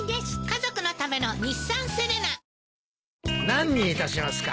何にいたしますか？